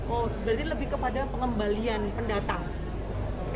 oh berarti lebih kepada pengembalian pendatang